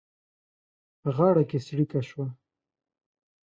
په غاړه کې څړيکه شوه.